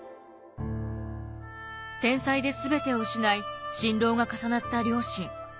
天災で全てを失い心労が重なった両親。